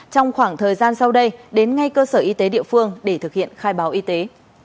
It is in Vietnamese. trong khoảng thời gian sau đây đến ngay cơ sở y tế địa phương để thực hiện khai báo y tế